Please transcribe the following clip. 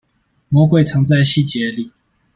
魔鬼藏在細節裡